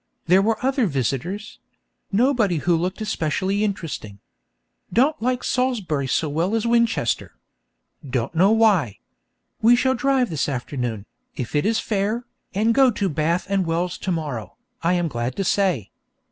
There were other visitors; nobody who looked especially interesting. Don't like Salisbury so well as Winchester. Don't know why. We shall drive this afternoon, if it is fair, and go to Bath and Wells to morrow, I am glad to say.